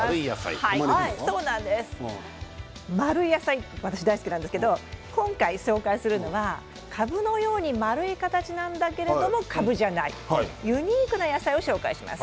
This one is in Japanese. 丸い野菜大好きなんですけれど今回ご紹介するのはかぶのように丸い形なのにかぶじゃないユニークな野菜を紹介します。